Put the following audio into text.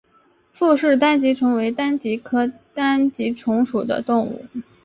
傅氏单极虫为单极科单极虫属的动物。